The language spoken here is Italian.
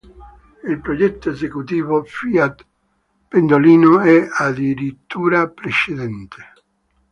Il progetto esecutivo Fiat-Pendolino è addirittura precedente.